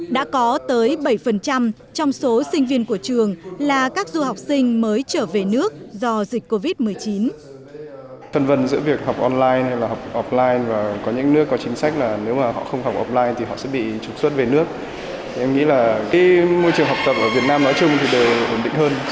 đã có tới bảy trong số sinh viên của trường là các du học sinh mới trở về nước do dịch covid một mươi chín